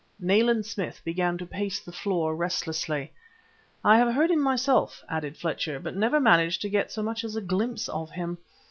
Nayland Smith began to pace the floor restlessly. "I have heard him myself," added Fletcher, "but never managed to get so much as a glimpse of him.